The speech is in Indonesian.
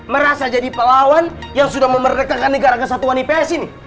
merasa jadi pelawan yang sudah memerdekatkan negara kesatuan ips ini